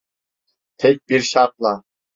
Tek bir şartla.